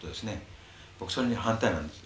僕それに反対なんです。